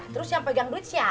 terus yang pegang duit siapa